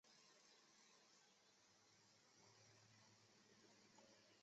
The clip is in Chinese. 加里波第站是巴黎地铁的一个车站。